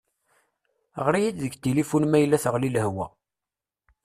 Ɣer-iyi deg tilifun ma yella teɣli lehwa.